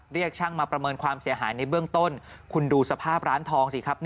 เรียกช่างมาประเมินความเสียหายในเบื้องต้นคุณดูสภาพร้านทองสิครับ